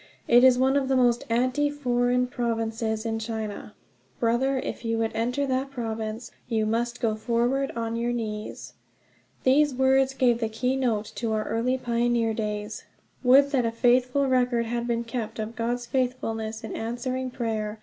It is one of the most anti foreign provinces in China. ... Brother, if you would enter that province, you must go forward on your knees." These words gave the key note to our early pioneer years. Would that a faithful record had been kept of God's faithfulness in answering prayer!